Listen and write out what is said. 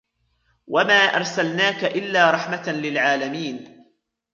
وَمَا أَرْسَلْنَاكَ إِلَّا رَحْمَةً لِلْعَالَمِينَ